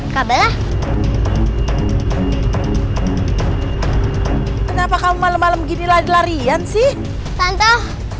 kenapa kamu malem malem gini lari larian sih